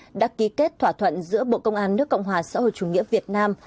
bộ trưởng trần đại quang đã ký kết thỏa thuận giữa bộ công an nước cộng hòa xã hội chủ nghĩa việt nam